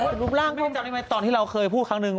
ไม่จับนึงไหมตอนที่เราเคยพูดครั้งหนึ่ง